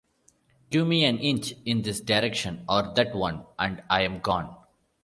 Give me an inch in this direction or that one, and I'm gone.